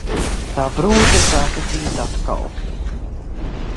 Tā brūce sāka dzīt atkal.